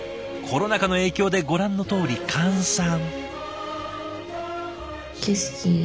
コロナ禍の影響でご覧のとおり閑散。